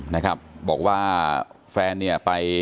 นะครับบอกว่าแฟนเนี่ยไป